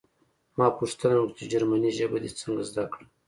ما پوښتنه وکړه چې جرمني ژبه دې څنګه زده کړه